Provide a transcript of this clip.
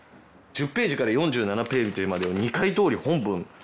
「１０ページから４７ページまでを２回通り本文」